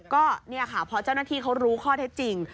ก็เนี่ยค่ะพอเจ้าหน้าที่เขารู้ข้อเท็จจริง